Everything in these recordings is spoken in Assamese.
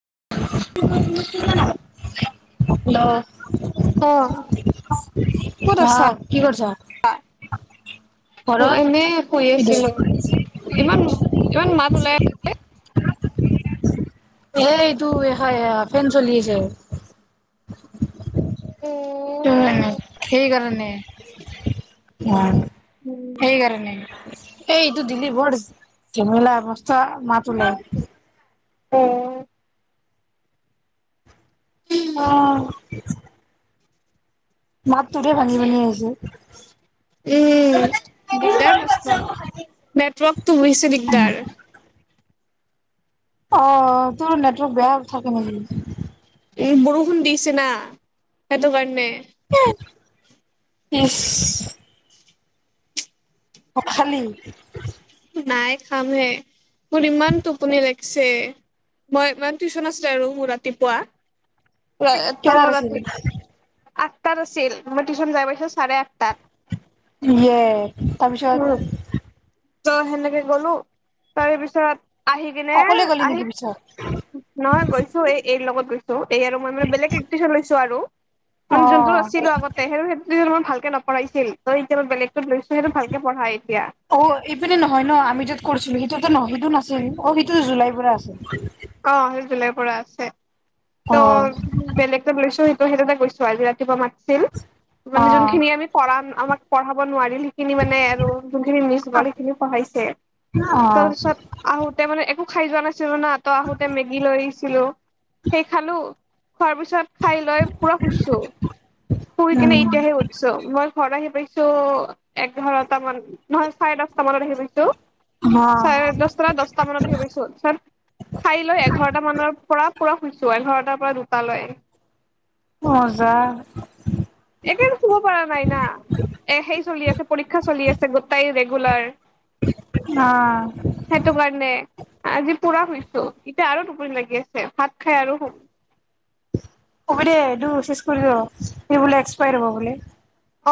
[inaudible] অ ক'ত [unintelligible] হা আছা কি কৰছা? এনে শুই আছিলোঁ, ইমান, ইমান মাত ওলাই আছে। এই টো এখান সেয়া ফেন চলি আছে। উম মে [unintelligible] এইটো দিলি বৰ জেমেলা অৱস্থা মাত ওলাই। [unintelligible] অ' মাতটোৰে ভাঙি, ভাঙি আহিছে। উম, দিগদাৰ মস্ত, নেটৱৰ্কটো হৈছে দিগদাৰ। অ', তোৰ নেটৱৰ্ক বেয়া থাকে নেকি? উম, বৰষুণ দিছে না, সেইহটোৰ কাৰণে। [unintelligible] [unintelligible] খালি নাই খামহে, মোৰ ইমান টোপনি লাগিছে, মই ইমান টিউচন আছিলে আৰু মোৰ ৰাতিপুৱা। কেইটাত [unintelligible] আছিল? ৰাতি আঠ তাত আছিল, মই টিউচন যায় পাইছোঁ চাৰে আঠ ইয়ে, তাৰপিছত? ত' সেনেকে গ'লো, তাৰপিছত আহি কিনে, অকলে গ'লি আহি নেকি পিছত? নহয় গৈছোঁ, এই-এইৰ লগত ত' এই আৰু মই মানে বেলেগ এক‌ টিউচন লৈছোঁ আৰু। অ মানে যোনটো আছিলো আগতে সেই সেই ভালকে নপঢ়াইছিল ত এতিয়া বেলেগতৰ দশ্য সটো ভকে পঢ়াই এতিয়া। অ ইপিনে নহয় ন আমি যত কৰিছিলো সেইটোতো ন সেইটো নাছিল অ সিটোতো জুলাই পৰা আছে। অ সেই জুলাই পৰা আছে। ত অ বেলেগ তাক লৈছো সেইটো সেইটো তাক গৈছো। আজি ৰাতিপুৱা মা অ মানে যোনখিনি আমি পঢ়ান আমাৰ পঢ়াব নোৱাৰিল সেই খিন মানে আৰু যোনখিনি মিছ গল সেইখিনি পঢ়াইছে অ তাৰপিছত আহোতে মানে আকো খাই যোৱা নাছিলো না। ত আহোতে মেগি লৈ আহিছিলো সেই খালো। খোৱাৰ পিছত খাই লৈ পুৰ শুইছো, শুই কিনে উম এতিয়াহে উঠছো মই ঘৰত আহি পাইছো চ এঘাৰটা মান নহয় চাৰে দশটা মানত আহি পাইছোঁ। অ চাৰে দশটা দচটা মানত আহি পাইছোঁ। খাই লৈ এঘাৰটা মানৰ পৰা পুৰা শুইছো এঘাৰটাৰ পৰা দুটালৈ। মজা। একে শুব পৰা নাই না এ সেই চলি আছে পৰীক্ষা চলি আছে, গোটাই ৰেগুলাৰ সেইটো কাৰণে আজি পুৰা হৈছো এতিয়া আৰু দুটোপনি লাগি আছে ভাত খাই আৰু শুম। অ'ব দে চেজ কৰি স বোলে এক্সপাই হব বোলে।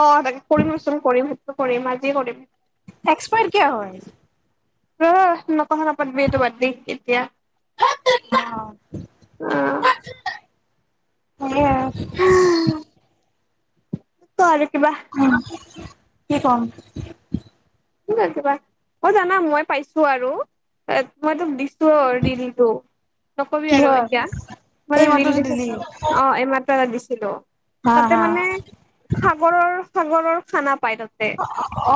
অ তাকে কৰিমচোন কৰিম স কৰিম আজি কৰিম। এক্সপায়ট কিয় হয়? উম ন প পতমটো বাদি এতিয়া, অ। আহ। তাৰ উম। কি কম? ঠিক আছে বাৰ মই জানা মই পাইছো আৰু মই তোক দিছ ৰিল টো নকবি আৰু কিহৰ এতিয়াল এই মাত্ৰ যে দি দিলি অ। কিবা এটা দিছিলো। হা তাতে হা মানে সাগৰৰ সাগৰৰ খানা পাই তাতে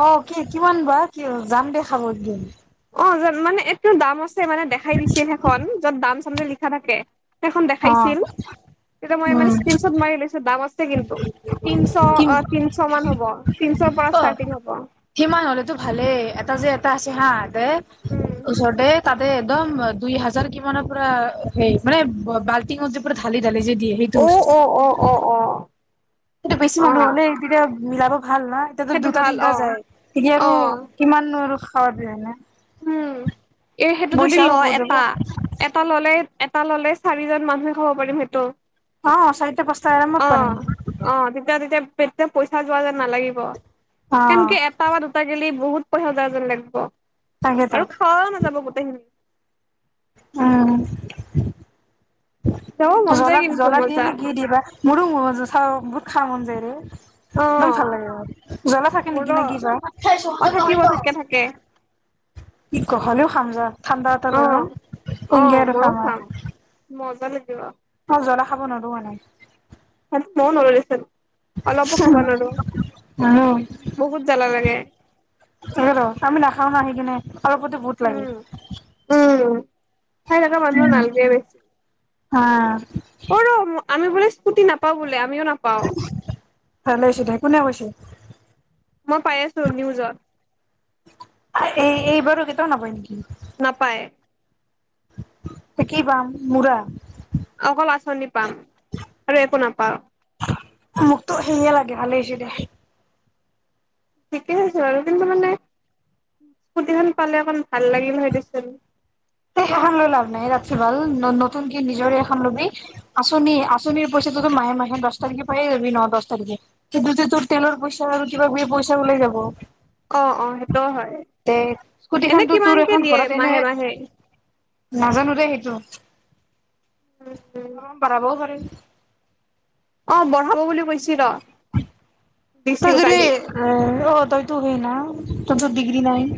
অ কি কিমান বা? কি যাম দে খাব একদিন। অ মানে কিন্তু দাম আছে মানে দেখাই দিছে সেইখন যত দাম চাম যদি লিখা থাকে সেইখন অ দেখাইছিল তেতিয়া মই উম মানে স্ক্ৰন শ্বত মাৰি লৈছো দাম আ ছে কিন্তু তিনশ কি তিনশ মান হ'ব তিনশৰ পৰা অ ষ্টাৰ্টিং হ'ব সিমান হলেতো ভালেই এটা যে এটা আছে হা উম ওচৰতে তা একদম দুই হাজাৰ কিমানৰ পৰা সেই মানে বাল্টিত যে পুৰা ঢালি ঢালি যে দিয়ে সেইটো অ বস্তু অ অ অ অ সেইটো বেছি অ মানুহ হ'লে তেতিয়া মিলাব ভাল না এতিয়া যদি সেইটো দুটা ভাল তিনটা অ যায় তেতিয়া অ আৰু কিমানো আৰু খবৰ দিয়েনে? উম। এই সেইটো যদি লয় বহুত যাব এটা এটা ল'লেই এটা এটা ল'লেই চাৰিজন মানুহে খাব পাৰিম সেইটো। অঁ চাৰিটা পাচঁটা অ আৰামত পাৰিম। অ তেতিয়া তেতিয়া তেতিয়া পইচা যোৱা যেন নালাগিব। অ সেনকে এটা বা দুটা গেলি বহুত পইচা যায় যেন লাগিব। তাকেতো আৰু খাৱাও নাযাব গোটেইখিনি। উম। যাব মন যায় জ্বলা কিন্তু জ্বলা দিয়ে মজা নে কি দিবা মোৰো জন চা বহুত খা মন যায় ৰে অ একদম ভাল লাগে, জলা থাকে নেকি মোৰো নে কি? অ থাকিব থাকে থাকে অ অ ময়ো খাম [unintelligible] মজা লাগিব। জলা খাব নোৱাৰোঁ মানে। ময়ো নোৱাৰো দেখোন। বহুত জ্বালা লাগে [unintelligible] আমি নাখাও হা সেইকেনে। অলপতে বহুত লাগে। উম উম খাই থকা মানুহৰ নালাগে বেছি হা! অ ৰ আমি বোলে স্কুটি নাপাওঁ বোলে। আমিও নাপাওঁ। ভাল হৈছে, তাই কোনে কৈছে? মই পাই আছো নিউজত। এই-এইবাৰ কেইটাও নাপায় নেকি? নাপায় ই কি বাল মূৰা অকল আঁচনি পাম আৰু একো নাপাওঁ মোকতো সেয়ে লাগে ভালে হৈছে দে ঠিকে আছ বাৰু কিন্তু মানে স্কুটিখন পালে অকন ভাল লাগিল হয় দেচোন এ হেখন লৈ লাভ নাই এইয়াতকৈ ভাল নতুনক নিজৰে এখন ল'বি আঁচনি আঁচনিৰ পইচাটোতো মাহে মাহে দহ তাৰিখে পায় লবি ন দহ তাৰিখে সন্ততে তোৰ তেলৰ পইচা আৰু কিবা গ পইচা ওলাই যাব অঁ অঁ সেইটো হয় তে এনে স্কুটিখনতো তোৰ কিমানকে এখন দিয়ে ঘৰত এনে মাহে মাহে নাজানো দে সেইটো অঁ বাৰ হাজাৰ অঁ বঢ়াব বুলি কৈছিল ৰ তই দিছিল যদি কালি অঁ তইতো হেই ন তোৰটো ডিগ্ৰী নাই [inaudible]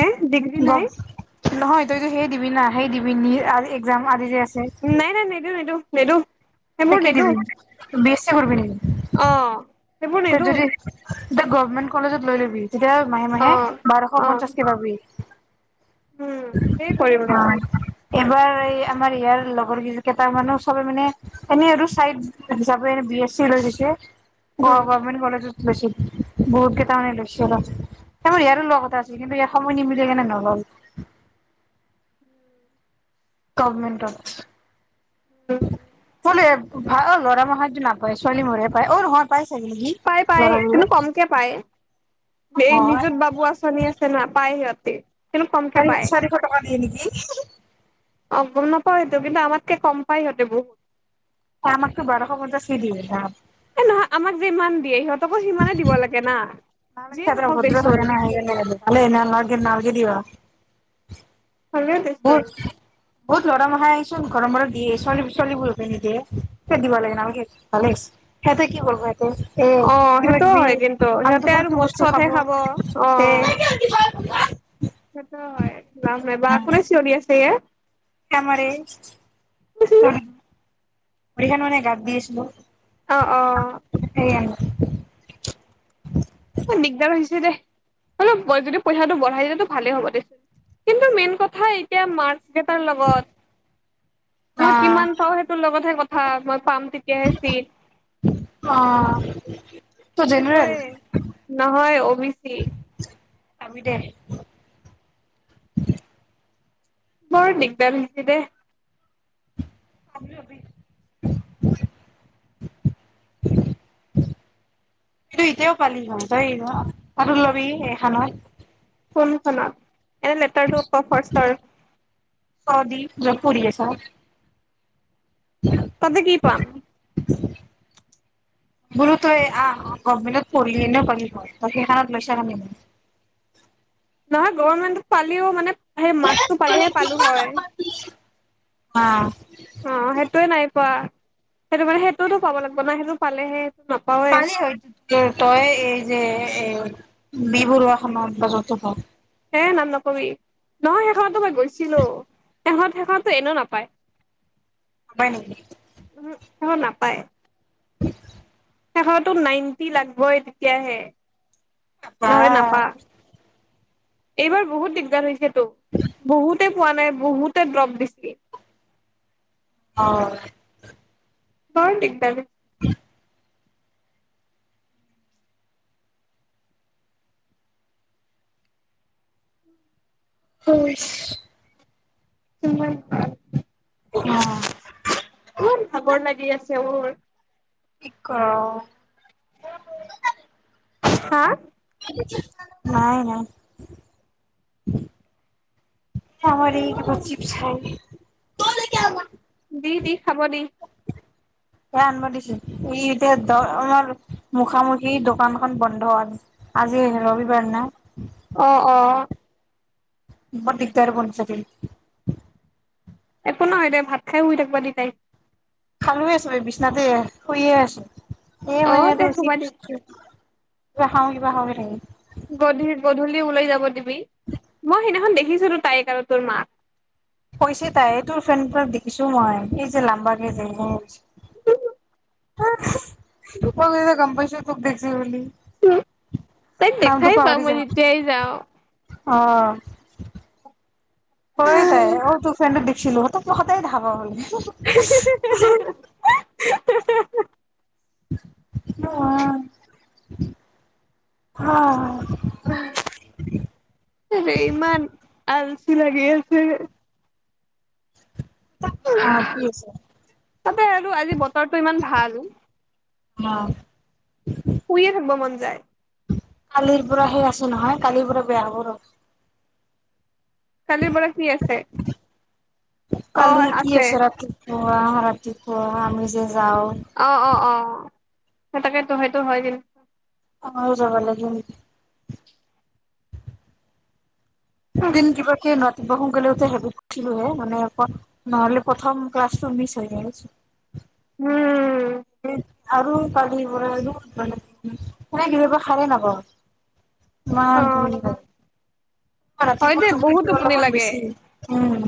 হেই ডিগ্ৰী গম নাই নহয় তইতো সেই দিবি না সেই দিবি নি আৰু এক্জাম আদি যে নাই নাই নিদো নিদো নিদো তই কি দিবি বিয়া চিয়া কৰিব নেকি অঁ তই যদি এটা গভমেণ্ট কলেজত লৈ ল'বি তেতিয়া মাহে অ মাহে বাৰশ অ পঞ্চাশ কে পাবি উম এ কৰিম ৰ এবাৰ এই আমাৰ ইয়াৰ লগৰ ক কেইট মানুহ সবে মানে এনেই আৰু চাইদ হিচাপে এনে বি এছ চি লৈ গৈছে উম গভৰ্নমেণ্ট কলেজত বেছি বহুত কেইটা মানে লৈছো অলপ তোৰ ইয়াৰো লগ কথা আছিল কিন্তু ইয়াৰ সময় নিমিলি কেনে নল'ল গভমেণ্ট অফিচ ক'লে ভাল অঁ ল'ৰামখাইটো নাপায় ছোৱালীবোৰেহে পায় অঁ নহয় পায় পাই পায় কিন্তু কমকে পায় এই অ', নিজুত বাবু আঁচনি আছে না পায় সিহঁত [inaudible] কিন্তু কমকে চাৰি পায় চাৰিশ টকা দিয়ে নেকি? অ গম নাপাওঁ সেইটো কিন্তু আমাৰ ততকে কম পায় সিহঁতে বহুত মাককো বাৰশ বজা চ দ যাম নহয় আমাক যে ইমান দিয়ে ইিহঁত যিয়ে নালকে হাত্ৰ [unintelligible] নহওক অভদ্ৰ দেচোন ঠাকে না ভালে নালগে দিবা। হলেও দেচোন বহুত বহুত ল [unintelligible] দিয়ে ছোৱালী ছোৱালীবোৰক হে নিদিয়ে কত দিব লাগে নালগে সেহাতে কি কৰিব। [unintelligible] অ কিবা সেইটোও কিবি হয় কিন্তু আল্টু সিহঁতে আৰু ফাল্টু মদ বস্তু চদহে খাব তে অ'। [inaudible] সেইটোও হয় লাম নাই, বা কোনে চিঞৰি আছে? [unintelligible] কমৰে [unintelligible] দি আছিলো। অঁ, অঁ। [inaudible] অ', দিগদাৰ হৈছে দে অলপ যদি পইচাটো বঢ়াই দিয়ে ভালে হ'ব দে। কিন্তু মেইন কথা এতিয়া মাৰ [unintelligible] টাৰ লগত মই কিমান পাও সেইটোৰ লগতহে কথা। হা মই পাম। তেতিয়াহে চিট অঁ। [unintelligible] নহয় ও বি চি। আমি দে বৰ দিগদাৰি দিছি দে। [unintelligible] বি এতিয়াও পালি হয় তই আৰু লবি এখানত। কোন খনত? এই লেটাৰটো অকল ফাৰ্ষটৰ। কিহত পৰহি আছা? তাতে কি পাম? বোলোতয় আঁহ গভমেন্টত পঢ়ি কেনে পালি হয় তই এইখানত লৈছ কাৰনে হে। নহয় গভণমেণ্টত পালিও মানে সেই মাক্সতো পালেহে পালো হয়। অ'। অ সেইটোয়ে নাই পোৱা সেইটো মানে সেইটোওতটো পাব লাগিব ন সেইটো পালেহে নাপাওৱে পানী হয় তই এই যে এই বিবৰুৱা [unintelligible] বা যতো প এ নাম নকবি নহয় শেই খনততো মই গৈছিলো তাৰ পিচত সেই খনত টো এনেও নাপায়। [unintelligible] অঁ, নাপায়। [inaudible] শেখানত তো নাইনটি লাগবই তেতিয়াহে বা নহলে নাপা। এইবাৰ বহুত দিগদাৰ হৈছে তো বহুতে পোৱা নাই বহুতে দ্ৰপ দিছে অ বহুত দিগদান উম খ কিম তামাম ভাগৰ লাগি আছে তেওঁৱ কি কৰ হা [unintelligible] নাই নাই আমাৰ এইটো চিপছাই দি দি খাব দি এ আনব দিছো ই এতিয়া দ আমাৰ মুখামুখি দোকানখন বন্ধ আজি ৰবিবাৰ না অ অ মোৰ দিগদাৰ বন চাক একো নহয় দে ভাত খাই শুই থাকিবা দি তাই খালে আছো এই বিছনাতে শুইয়ে আছো এই অ দে মইেটো শিক শুবা দি [unintelligible] গধূলি গধূলি ওলাই যাব দিবি মই সেইদিনাখন দেখি আহিছ তাইকাৰ তোৰ মাক পইছে তাই তোৰ ফ্ৰেণ্ডাক দেখিছো মই এই যে লাম্বাকেই যে ম গম পাইছো তোক দেখিছো বোলি তাইক দেখাই পাওঁ মই যায় যেতিয়াই যাওঁ অ ক তাই তোৰ ফে ছিলোহঁতোহতে ধাবা হলে উ [unintelligible] অ অ ইমান আল লাগে আছে [unintelligible] তাতে আৰু আজি বতৰটো ইমান ভাল অ আ শুয়ে‌‌ থাকিব মন যায়। কালিৰ পৰা সেই আছোঁ নহয়, কালিৰ পৰা বেয়া হ'ব ৰ কালিৰ পৰা কি আছে? অ', আছে। পোৱা, ৰাতিপুৱা আমি যে যাওঁ অ', অ', অ'। তাকেতো, সেইটো হয়, কিন [unintelligible] দুদিন কিবাকে [unintelligible] [unintelligible] হে, মানে নহ'লে প্ৰথম ক্লাছ মিচ হৈ [unintelligible] উম আৰু [unintelligible] কেতিয়াবা সাৰে নাপাওঁ। অ ইমান টোপনি ধৰে, হয় দে ৰাতিপুৱা বহুত টোপনিটো টোপনি অলপমান লাগে বেছি, উম।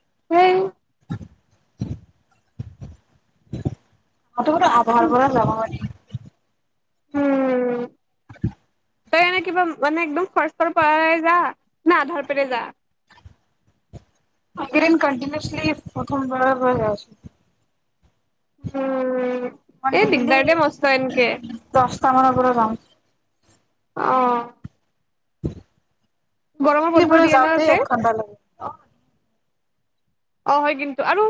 [unintelligible] [unintelligible] উম। তই এনে কিবা মানে একদম ফ্ৰাষ্টৰ পৰাই যা, না আধাৰ পৰাই যা এইকেইদিন কণ্টিনিয়াচলি প্ৰথমবাৰ আছ উম এই দিগদাৰ দে [unintelligible] মস্ত এনকে দচটা মানৰ পৰা যাওঁ। অ' [inaudible] গৰমৰ কি বন্ধ কৰোঁ, দিয়ে ন যাওঁতেই তাতে এক ঘণ্টা লাগে। অ' অ' হয় কিন্তু, আৰু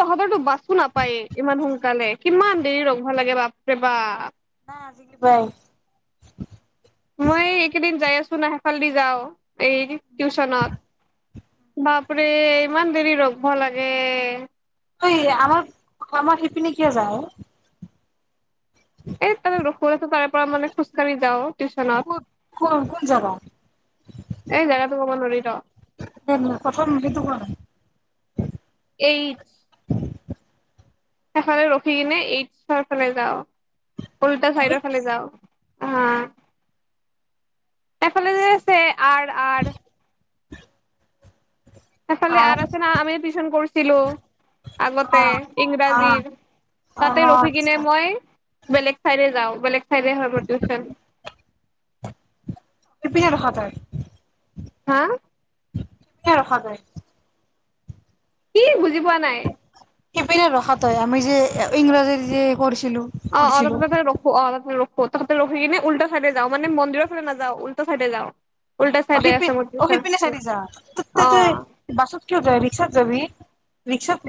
তহঁতৰতো বাচো নাপায় ইমান সোনকালে, কিমান দেৰি ৰ'ব লাগে বাপৰে বাপ! নাই, আজিকালি যায়। মই এই কেইদিন যাই আছ [unintelligible] ‌ সেফালদি যাওঁ। এই টিউচনত। বাপৰে, ইমান দেৰি ৰ'ব লাগে! অই, আমাৰ, আমাৰ সেইপিনে কিয় যাৱ অ'? এই তোৰ [unintelligible] পাৰে পাৰে মানে খোজকাঢ়ি যাওঁ, টিউচনত, ক'ত ক কোন জাগা এই জেগাটো কব নোৱাৰি ৰ। প্ৰথম সেইটো কোৱা নাই এইট সেইফালে ৰখি কেনে এইচ ফ'ৰ‌ ফালে যাওঁ। উল্টা সাইডৰ ফালে যাওঁ। অ', সেফালে যে আছে আৰ, আৰ সেইফালে আৰ আহ আছে না আমি টিউচন কৰিছিলো আগতে আহ আহ ইংৰাজীৰ তাতে আহ ৰখি কিনে আচ্ছা মই বেলেগ চাইডে যাওঁ বেলেগ চাইডে হ'ব টিউচন ইপিনে ৰখা তই হা কোনে ৰখাব কি বুজি পোৱা নাই সেইপিনে ৰখাটো আমি যে ইংৰাজী যে কৰিছ অ অ আগকিবাটা ৰখো আ ৰখো তহঁতে ৰখিবিনে উল্টাচাইডে যাওঁ মানে মন্দিৰৰ ফাল নাযওঁ উলটা চাইডে যাওঁ উল্টা অ চাইডে হিপি আছে মোৰ অহি টিউচন পিনে চাইডে যাঅ তোক অ তাতে বাছত কিয় যাঅ ৰিক্সাত যাবি ৰিক্সাত